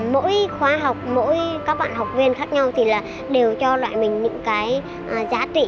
mỗi khoa học mỗi các bạn học viên khác nhau thì là đều cho loại mình những cái giá trị